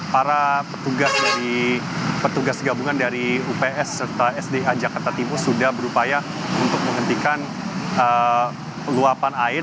para petugas gabungan dari ups serta sda jakarta timur sudah berupaya untuk menghentikan luapan air